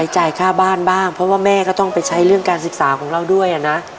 จ่ายค่าบ้านบ้างเพราะว่าแม่ก็ต้องไปใช้เรื่องการศึกษาของเราด้วยนะ